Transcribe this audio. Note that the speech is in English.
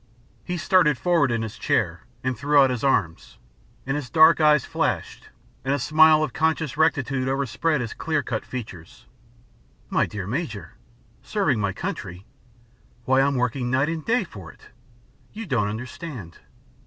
He started forward in his chair and threw out his arms, and his dark eyes flashed and a smile of conscious rectitude overspread his clear cut features. "My dear Major serving my country? Why, I'm working night and day for it. You don't understand."